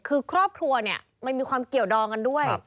คือครอบครัวเนี่ยมันมีความเกี่ยวดองกันด้วย